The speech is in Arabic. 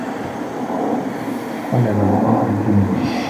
قَلَبَ اللَّهُ الدُّنْيَا